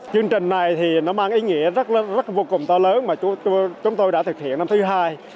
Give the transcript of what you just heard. chương trình này thì nó mang ý nghĩa rất vô cùng to lớn mà chúng tôi đã thực hiện năm thứ hai